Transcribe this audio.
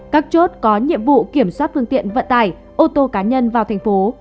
các chốt có nhiệm vụ kiểm soát phương tiện vận tải ô tô cá nhân vào thành phố